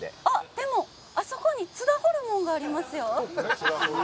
でも、あそこに津田ホルモンがありますよ。